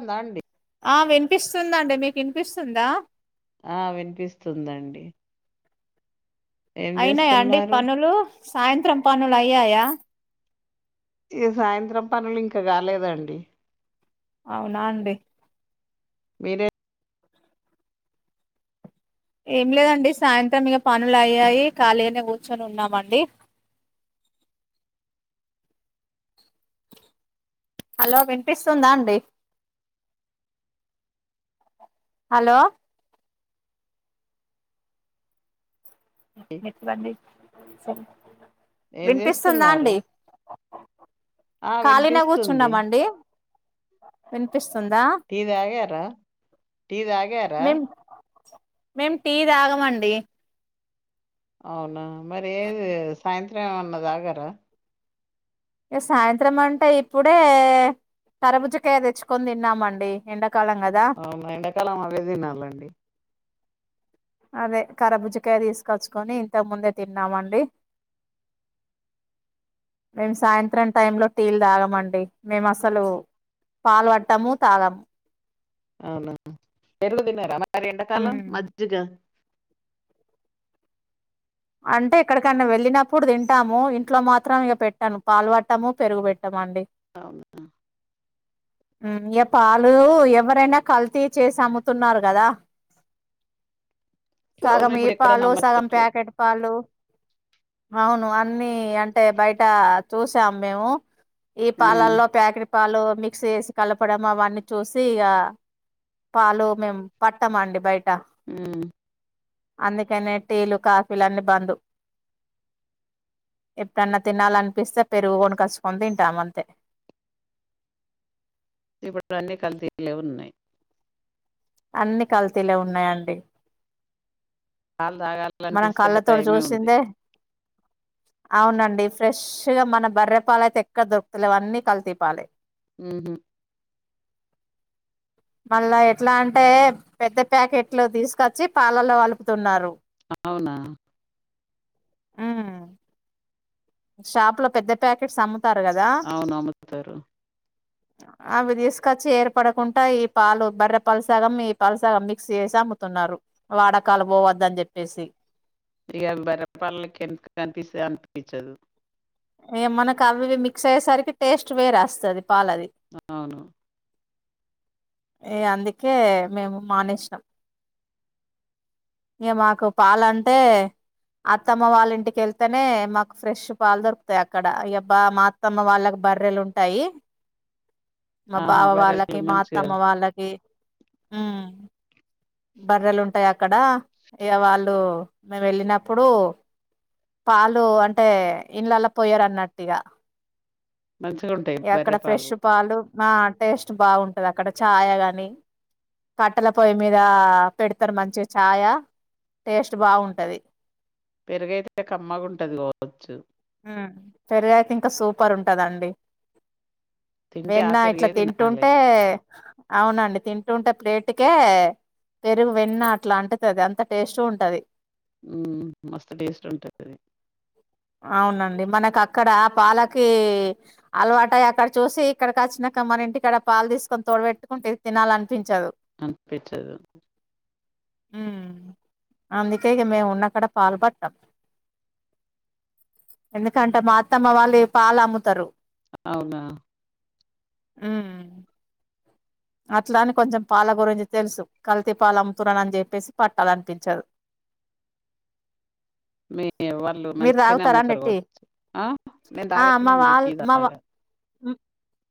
[inaudible] దాండి ఆ విన్పిస్తుందండి మీకిన్పిస్తుందా ఆ విన్పిస్తుందండి అయినాయా అండి పనులు సాయంత్రం పనులు అయ్యాయా ఈ సాయంత్రం పనులు ఇంక గాలేదండి అవునా అండి మీరే ఏం లేదండి సాయంత్రం ఇగ పనులు అయ్యాయి ఖాళీగనే కూర్చొని ఉన్నామండి. హలో విన్పిస్తుందా అండి హలో నె నెట్ బంద్ జేయ్ సం ఏం విన్పిస్తుందా చేస్తున్నారు అండి ఆ ఖాళినే వినిపిస్తుంది కూర్చున్నామండి. విన్పిస్ టీ దాగార టీ దాగార మేం మేం టీ తాగమండి అవునా మరి ఏది సాయంత్రం ఏమన్నా దాగరా సాయంత్రం అంటే ఇప్పుడే తరబుజ్జకాయ తెచ్చుకొని తిన్నామండి ఎండాకాలం కదా అవు ఎండాకాలం అవే తిినాలండి అదే కరబుజకాయ తీసుకొచ్చుకొని ఇంతకుముందే తిన్నామండి మేము సాయంత్రం టైంలో టీలు తాగమండి మేము అసలు పాలు వట్టము తాగము అవునా [inaudible] దినారా మ కాదెండ కాలం అంటే ఎక్కడికన్నా వెళ్ళినప్పుడు తింటాము ఇంట్లో మాత్రం ఇక పెట్టను పాలు పట్టము పెరుగు పెట్టమండి. అవునా ఉమ్ ఇగ పాలు ఎవరన్నా కల్తీ చేసి అమ్ముతున్నారు కదా సో అవును సగం ఈ ఇప్పుడు ఎక్కడ పాలు సగం నమ్మచ్చట్లేదు ప్యాకెట్ పాలు అవును అన్ని అంటే బయట చూసాం మేము ఈ ఉమ్ పాలల్లో ప్యాకేటు పాలు మిక్స్ చేసి కలపడం అవన్నీ చూసి ఇగ పాలు మేము పట్టమండి బయట ఊమ్ అందుకనే టేలు కా పీలన్నీ బంధు ఎప్పుడన్నా తినాలనిపిస్తే పెరుగు గొనకచ్చుకొని తింటాం అంతే ఇప్పుడు అన్ని కల్తీలే ఉన్నాయ్ అన్ని కల్తీలే ఉన్నాయంండి పాలు తాగాల ంటిస్తే కళ్ళతోటి భయమే ఉంది చూసిందే అవునండి ఫ్రెష్గా మన బర్రెపాల అయితే ఎక్కడ దొరుకుతులే అవన్నీ కలితీపాలి ఊ హూ మళ్ళా ఎట్లా అంటే పెద్ద ప్యాకెట్లు తీసుకొచ్చి పాలల్లో కలుపుతున్నారు అవునా ఆ షాప్ లో పెద్ద ప్యాకెట్ సమ్ము అవును అమ్ముతారు అవి తీసుకొచ్చి ఏర్పడకుండా ఈ పాలు బర్రె పాలు సగం ఈ పాలుసగం మిక్స్ చేసి అమ్ముతున్నారు వాడకాలు పోవద్దని చెప్పేసి ఇగ బర్రె పాలకి ఎంత కనిపిస్త అనిపించదు ఏ మనకు అవి ఇవి మిక్స్ అయ్యేసరికి టేస్ట్ వేరేస్తుది అవును ఈ అందుకే మేము మానేసాం ఇక మాకు పాలు అంటే అత్తమ్మ వాళ్ళ ఇంటికి వెళ్తేనే మాకు ఫ్రెష్ పాలు దొరుకుతాయి అక్కడ ఇబా మా అత్తమ్మ వాళ్ళకి బర్రెలు ఉంటాయి మా ఆహా! బావ బర్రెలు వాళ్ళకి మా మంచిగా తమ వాళ్ళకి ఆ బర్రెలు ఉంటాయి అక్కడ ఇగ వాళ్ళు మేము వెళ్ళినప్పుడు పాలు అంటే ఇంలలా పోయారు అన్నట్టుగా మంచిగుంటాయి ఇ అక్కడ బర్రె ఫ్రెష్ పాలు మా టేస్ట్ బాగుంటది అక్కడ ఛాయ కాని కట్టెల పొయ్యి మీద పెడతారు మంచి ఛాయ టేస్ట్ బాగుంటది పెరుగైతే కమ్మగాంటది పోవచ్చు హ్మం పెరిగాయకి ఇంకా సూపర్ ఉంటదండి తింటే ఆ వెన్న ఇట్లా పెరుగే తినాలె. తింటుంటే అవునండి తింటుంటే ప్లేట్కే పెరుగు వెన్న అట్లా అంటతుది అంత టేస్ట్ ఉంటది ఉ మస్త టేస్ట్ ఉంటుదిది అవునండి. మనకు అక్కడ పాలకి అలవాటయి అక్కడ చూసి ఇక్కడకి వచ్చినాక మన ఇంటికాడ పాలు తీసుకొని తోడబెట్టుకుంటే తినాలి అనిపించదు. అనిపించదు ఉ అందుకే ఇక మేము ఉన్నక్కడ పాలుపట్టాం ఎందుకంటే మా అత్తమ్మ వాళ్ళు పాలు అమ్ముతారు అవునా ఆ అట్లాని కొంచెం పాల గురించి తెలుసు కల్తీ పాల అమ్ముతున్నాను అని చెప్పేసి పట్టాలనిపించదు మీ వాళ్ళు మీరు మంచిగానే తాగుతారా అండి టీ అమ్ముతరగవచ్చు ఆ నేను ఆ మా తాగానండి వాళ్ టీ మా వా దాగా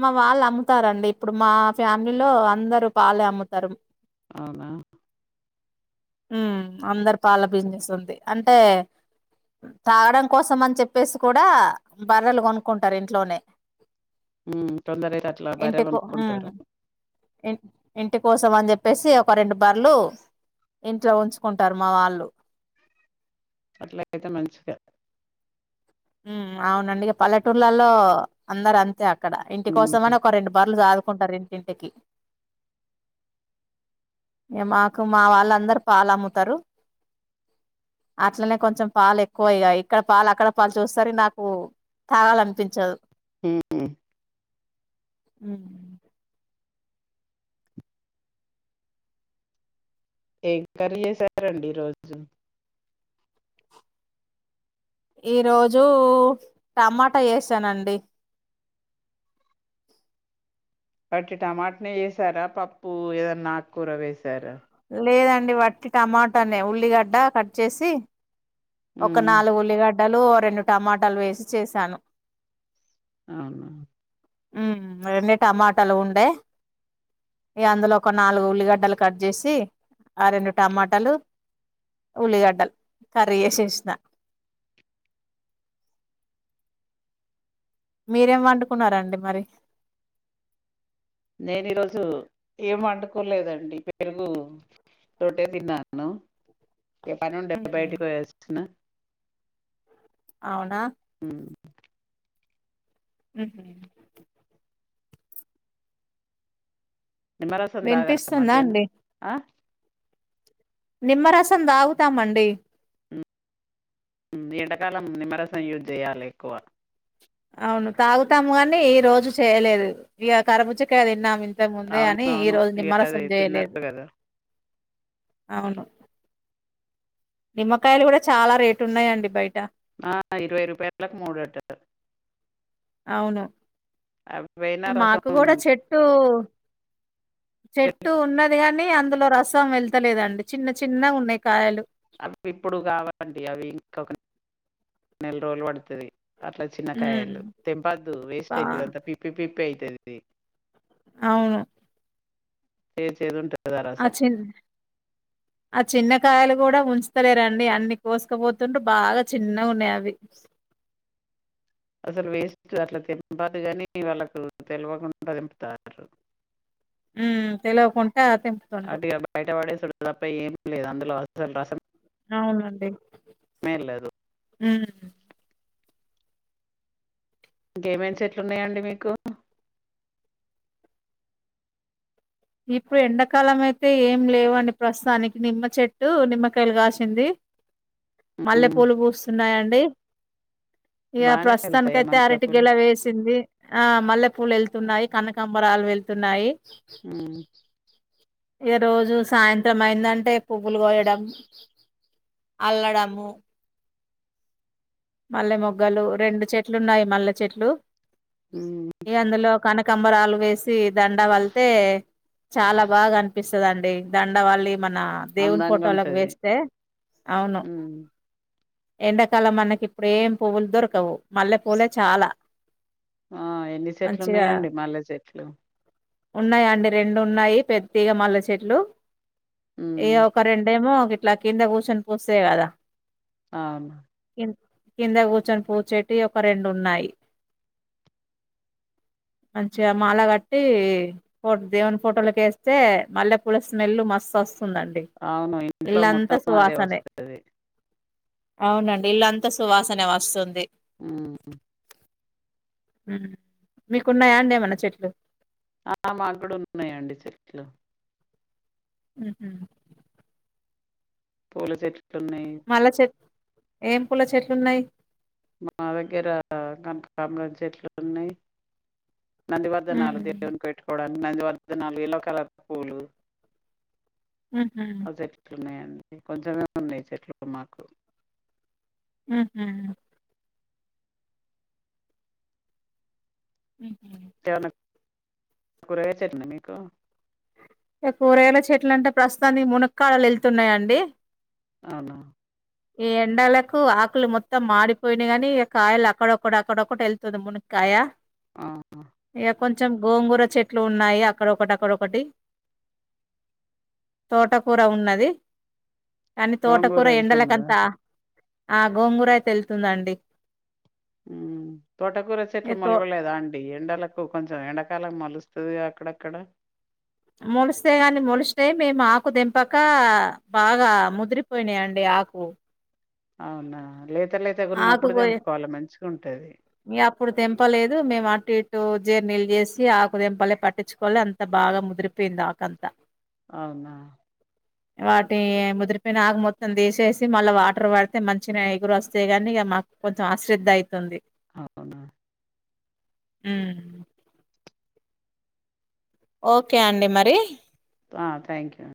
మా వాళ్ళు అమ్ముతారండి ఇప్పుడు మా ఫ్యా మీలీలో అందరు పాలే అమ్ముతారు [inaudible] హ్మ్మ్ అందరు పాల బిజినెస్ ఉంది అంటే తాగడం కోసం అని చెప్పేసి కూడా బర్రలు కొనుక్కుంటారు ఇంట్లోనే ఉ కొందరూ అయితే అట్లా బర్రె ఇంటికు ఉమ్ కోనుకుంటారు ఇంటి కోసం అని చెప్పేసి ఒక రెండు బర్లు ఇంట్లో ఉంచుకుంటారు మా వాళ్ళు అట్లా ఐతే మంచిగా హ్మ్మ్ అవునండీ పల్లెటూర్లలో అందరు అంతే ఆక్కత ఇక్కడ ఇంటి హ్మ్. కోసంమని ఒక రెండు బర్లు సాధుకుంటున్న ఉంటరు ఇంటింటికి మాకు మా వాళ్ళందరు పాలు అమ్ముతారు అట్లనే కొంచం పాలు ఎక్కువయ ఇక్కడ పా అక్కడ వాళ్ళు చూస్తారు నాకు తాగలనిపించదు హు హూ అ ఏంకర్రి చేసారండి ఈ రోజు ఈ రోజు టమాటా వేసానండి వట్టి టమాటని వేసారా పప్పు ఏదన్నా ఆకుకూర వేసారా లేదండి వట్టి టమాటానే ఉల్లిగడ్డ కట్ చేసి ఒక ఉమ్ నాలుగుల్లిగడ్ వడలు రెండు టమాటాలు వేసి చేశాను అవును ఊ రెండు టమాటాలు ఉండే ఇ అందులో ఒక నాలుగు ఉల్లిగడ్డలు కట్ చేసి ఆ రెండు టమాటాలు ఉల్లిగడ్డలు ప్రియశృష్ణ మీరేం వండుకున్నారండి మరి నేను ఈరోజు ఏం అండుకోలేదండి పెరుగు రోటే తిన్నాను ఏ పని ఉ బయోటిక్ వయస్తున్నా అవునా ఉమ్. ఉ నిమ్మరసం తాగర వినిపిస్తుందా మధ్యానం అండి నిమ్మరసం దాగుతామండి ఎండాకాలం నిమ్మరసం యూజ్ చేయాలి ఎక్కువ అవును తాగుతాము కానీ ఈ రోజు చేయలేదు ఇక కరబోజకాయ అది తిన్నాము అంతే ముందే అని ఈ అవునవును రోజు ఇగ అదే నిమ్మరసం చేయలేదు తిన్నారు కదా అవును నిమ్మకాయలు కూడా చాలా రేటు ఉన్నాయంండి బయట ఆ ఇరువై రూపాయలకి మూడంటారు అవును అ మాకు కూడా చెట్టు చెట్టు చె- ఉన్నది కాని కానీ అందులో రసం వెళ్తలేదండి చిన్న చిన్నగా ఉన్నాయి కాయలు అవి ఇప్పుడు కావాలండి అవి ఇంక నెల రోజులు పడుతుది అట్లా ఉమ్ చిన్నకాయలు తెంపద్దు వేస్ట్ బా అవుతుది అంతా పిప్పి పిప్పి అవుతుది పి అవును సే సేంట ఆ చిన్న ఆ చిన్నకాయలు కూడా ఉంచ సరే రండి అన్ని కోసుకపోతుంటూ బాగా చిన్నగా ఉన్నాయి అవి అసలు వేస్ట్ అట్లా తెంపదు కానీ వాళ్ళకు తెలివకుండా దింపుతారు ఉ తెలాకు ఆ తింపుతుండు ఇపై ఏమి లేదు అందులో అసలు రసం అవునండి లేదు హ హుమ్ ఇంకేంయినా చెట్లు ఉన్నాయాండి మీకు ఇప్పుడు ఎండాకాలం అయితే ఏం లేవండి ప్రస్తుతానికి నిమ్మ చెట్టు నిమ్మకాయలు కాసింది మల్లె హ్మ్ పూలు పూస్తున్నాయిండి అే ఇక బానే ప్రస్తుతానిక వెళ్తాయా అయితే అరటి మల్లెపూలు గెలా వేసింది ఆ మల్లె పూలు వెళ్తు న్నాయి కనకంబరాలు వెళ్త సున్నాయి హ్మ్ ఇ రోజు సాయంత్రం అయిందంటే పువ్వులు కోయడం అల్లడము మల్లె మొగ్గలు రెండు చెట్లు ఉన్నాయి మల్లె చెట్లు హ్మ్ ఏ అందులో కనక కంబరా ఆలు వేస్ తే దండ వళ్తే చాలా బాగా అనిపిస్తుంది అండి దండ వాళ్ళి మన దేవుని అందంగా ఫోటోలకు ఉంటది వేస్తే అవును హ్మ్ ఎండకాలం అనకి ఇప్పుడు ఏం పువ్వులు దొరకవు మల్లె పూలే చాలా ఆ ఎన్ని చెట్లు ఉన్నాయండి మల్లె చెట్లు ఉన్నాయా అండి రెండు ఉన్నాయి పెతిగ మల్ల చెట్లు ఇ హ్మ్ ఒక రెండేమో ఇట్లా కింద కూర్చొని పోస్తేయి కదా ఆవును ఇన్ కింద కూర్చొని పూచేటి ఒక రెండు ఉన్నాయి మంచిగా మాల కట్టి ఫొ దేవుని ఫోటోలకు ఏస్తే మల్లె పూల స్మెల్ మస్తు వస్తు అవును ఇంట్లో మొత్తం అదే సువాసనే వస్తది. అవునండి ఇల్లంత్- త్త సువాసనె వస్తుంది. ఉ ఉ మీకున్నాయా అండి ఏమన్న చెట్లు. ఆ మాకు కూడా ఉన్నాయి అంది చెట్లు ఉహు పూల చెట్లు ఉన్నాయి మల్లే చెట్ ఏం పూల చెట్లున్నాయి మా దగ్గర కనకాబారం చెట్లు ఉన్నాయి నందివర్ధనలు చెట్లు ఉహు దేవునికి పెట్టుకోడానికు నందివర్ధనలుఎల్లో కలర్ పూలు ఉహు ఆ చెట్లు ఉన్నాయండి కొంచెమే ఉన్నాయి చెట్లు మాకు ఉహు ఉహ ఇంకా ఏంన్న కూరగాయలు చెట్లు ఉన్నాయండి మీకు కూరగాయల చెట్లు అంటే ప్రస్తుతానికి మునక్కాడలు ఎళ్తున్నాయంండి అవునా ఈ ఎండలకు ఆకులు మొత్తం మాడిపోయినా కాని కాయలు అక్కడొక్క అక్కడొక్కటి ఎళ్తుంది మునక్కాయ ఆ ఏప్ కొంచెం గోంగూర చెట్లు ఉన్నాయి అక్కడ ఒకటి అక్కడొ ఒకటి తోటకూర ఉన్నది కానీ గోంగూర తోటకూర వెళ్తున్నదా ఎండలకంత ఆ గోంగూరయి ఎలుతుందండి ఉ తోటకూర చెట్లు ఇక తో మొలవలేదా అండి ఎండలకు కొంచెం ఎంండకాలం మోలుస్త- స్తుంది అక్కడక్కడ మొలిస్తే గాని మొలిస్తే మేము ఆకు దేయంపక బాగా ముదిరిపోయినా అండి ఆకు అవునా లేద్ ఆకుగోయ ఉంటది మీ అప్పుడు తెంపలేదు మేము అటు ఇటు జీర్నీీళ్ళు చేసి ఆకుదిేంపలే పట్టించుకోలే అంత బాగా ముదిరిపోయింది ఆకంతా అవునా వాటి ముదిరిపోయిన ఆగ మొత్తం తీసేసి మళ్ళా వాటర్ పడితే మంచిిన ఎగురు వస్తంది చేయగాని ఇక మాకు కొంచెం అశ్రద్ధ అవుతుంది అవునా ఊ ఓకే అండి మరి ఆ థ్యాంక్ యూ